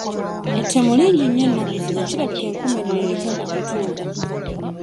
Ettemu lingi nnyo ennaku zino kirabika enkomerero eri kumpi kutuuka.